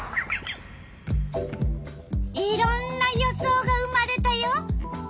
いろんな予想が生まれたよ。